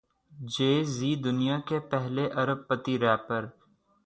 جے Z دنیا کے پہلے ارب پتی ریپر